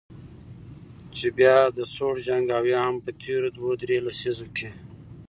چې بیا د سوړ جنګ او یا هم په تیرو دوه درې لسیزو کې